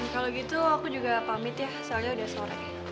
kalau gitu aku juga pamit ya soalnya udah sore